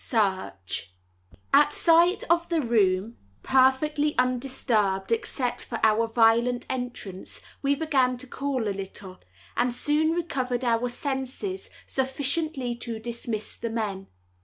Search At sight of the room, perfectly undisturbed except for our violent entrance, we began to cool a little, and soon recovered our senses sufficiently to dismiss the men.